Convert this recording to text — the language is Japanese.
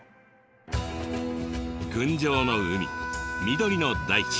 群青の海緑の大地。